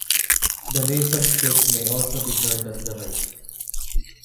The nasal click may also be heard at the right.